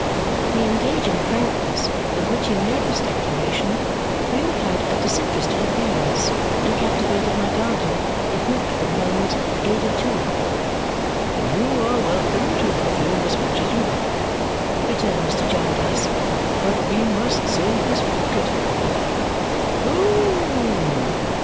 The engaging frankness with which he made this declaration really had a disinterested appearance and captivated my guardian, if not, for the moment, Ada too. "You are welcome to love him as much as you like," returned Mr. Jarndyce, "but we must save his pocket, Harold." "Oh!"